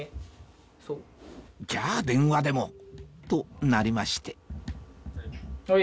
じゃあ電話でもとなりましてはい。